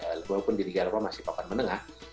walaupun di liga eropa masih papan menengah